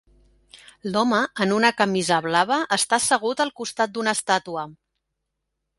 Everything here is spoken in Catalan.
L'home en una camisa blava està assegut al costat d'una estàtua.